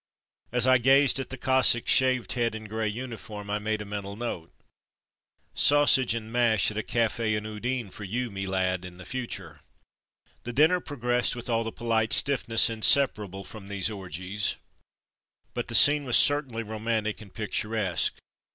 As I gazed at the Cossack's shaved head and grey uniform, I made a mental note, " Sausage and mash at a cafe in Udine, for you, me lad, in the future. '' The dinner progressed with all the polite stiffness inseparable from these orgies, but the scene was certainly romantic and pic turesque.